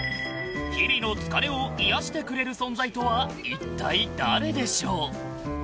日々の疲れを癒やしてくれる存在とは一体誰でしょう？